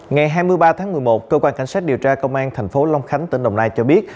ngày hai mươi ba tháng một mươi một cơ quan cảnh sát điều tra công an thành phố long khánh tỉnh đồng nai cho biết